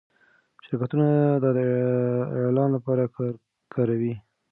شرکتونه دا د اعلان لپاره کاروي.